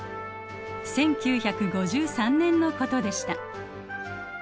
１９５３年のことでした。